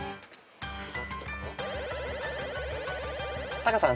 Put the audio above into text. タカさん